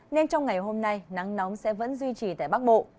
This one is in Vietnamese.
nên trong ngày hôm nay nắng nóng sẽ vẫn duy trì tại bắc bộ